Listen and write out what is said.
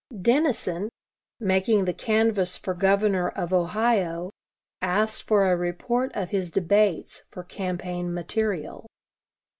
Dennison, making the canvass for Governor of Ohio, asked for a report of his debates for campaign "material."